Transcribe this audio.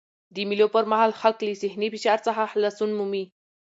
د مېلو پر مهال خلک له ذهني فشار څخه خلاصون مومي.